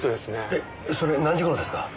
えっそれ何時頃ですか？